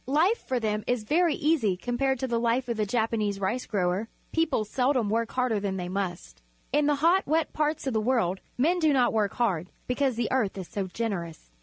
Life for them is very easy compared with the hfe of the Japanese rice grower. People seldom work harder than they must. In the hot, wet parts of the world men do not work hard, because the earth is so generous.